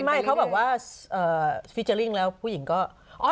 ไม่เขาแบบว่านะพูดจักรงานแล้วผู้หญิงก็